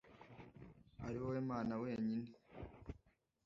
ari wowe Mana wenyine!»